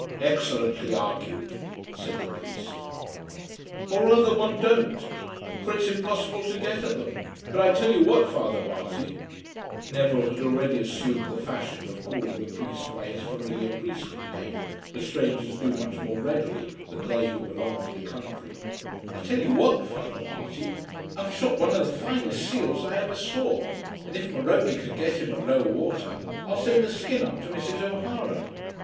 "Excellently argued," said the priest. "Or rather one don't, for it's impossible to get at them. But I'll tell you what, Father Marty," Neville had already assumed the fashion of calling the priest by his familiar priestly name, as strangers do much more readily than they who belong to the country, "I'll tell you what, Father Marty, I've shot one of the finest seals I ever saw, and if Morony can get him at low water, I'll send the skin up to Mrs. O'Hara."